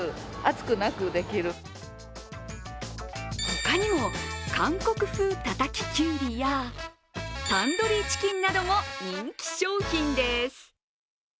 他にも韓国風たたききゅうりやタンドリーチキンなども人気商品です。